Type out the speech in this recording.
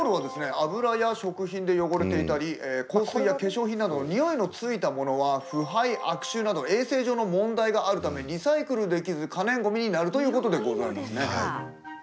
油や食品で汚れていたり香水や化粧品などのにおいのついたものは腐敗・悪臭など衛生上の問題があるため、リサイクルできず可燃ごみになるということでございますね。